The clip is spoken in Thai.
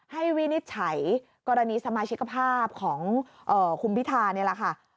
วินิจฉัยกรณีสมาชิกภาพของคุณพิธานี่แหละค่ะ